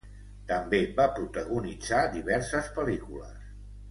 També va protagonitzar diverses pel·lícules.